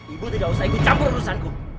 ibu tidak usah ikut campur urusanku